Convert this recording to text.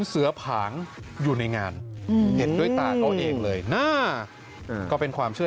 เสือผางอยู่ในงานเห็นด้วยตาเขาเองเลยนะก็เป็นความเชื่อ